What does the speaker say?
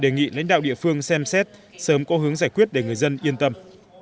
đề nghị lãnh đạo địa phương xem xét sớm có hướng giải quyết để người dân yên tâm